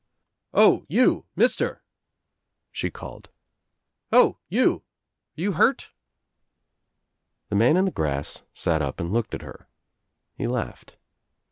"O, you Mister," she called, "O, you — are you hurt?" The man in the grass sat up and looked at her. He laughed.